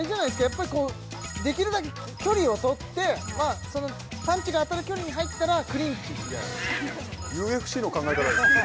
やっぱりこうできるだけ距離を取ってパンチが当たる距離に入ったらクリンチＵＦＣの考え方ですよ